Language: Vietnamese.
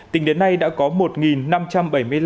tỉnh đến nay đã có một năm trăm bảy mươi năm doanh nghiệp